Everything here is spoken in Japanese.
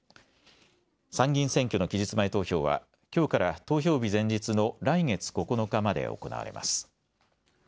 参議院選挙の期日前投票は、きょうから投票日前日の来月９日まで行われます。